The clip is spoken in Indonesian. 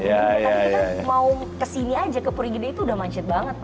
kita mau kesini aja ke purigede itu udah macet banget pak